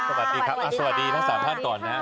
สวัสดีครับสวัสดีทั้ง๓ท่านก่อนนะครับ